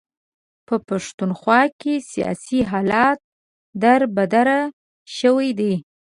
په پښتونخوا کې سیاسي حالات در بدر شوي دي.